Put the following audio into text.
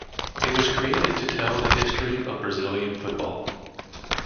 It was created to tell the history of Brazilian football.